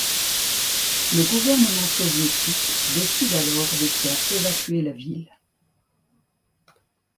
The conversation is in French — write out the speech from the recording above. Le gouvernement soviétique décide alors de faire évacuer la ville.